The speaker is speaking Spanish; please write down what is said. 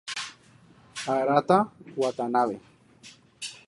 Arata Watanabe